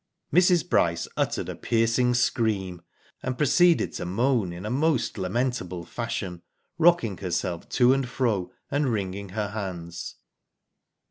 Mrs. Bryce uttered a piercing scream, and proceeded to moan in a most lamentable fashion, rocking herself to and fro and wringing her hands.